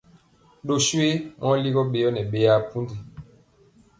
Doswe mɔ ligɔ ɓeyɔ nɛ ɓeyaa pundi.